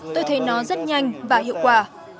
tôi thấy nó rất nhanh và hiệu quả